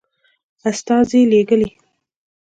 استازي لېږلي.